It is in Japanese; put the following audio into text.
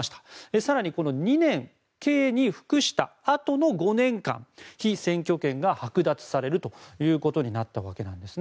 更に２年刑に服したあとの５年間被選挙権がはく奪されるということになったわけなんです。